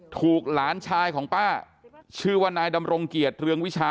หลานชายของป้าชื่อว่านายดำรงเกียรติเรืองวิชา